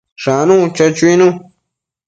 Shanu, cho chuinu